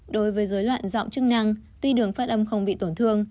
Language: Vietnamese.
đối với dối loạn giọng chức năng tuy đường phát âm không bị tổn thương